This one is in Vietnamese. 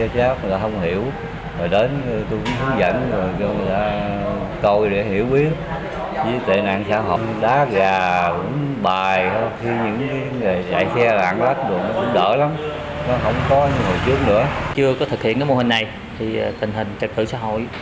chưa có thực hiện mô hình này thì tình hình trật tự xã hội